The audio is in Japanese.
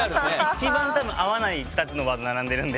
一番多分合わない２つのワード並んでるんで。